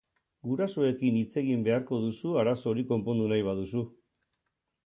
Gurasoekin hitzegin beharko duzu arazo hori konpondu nahi baduzu.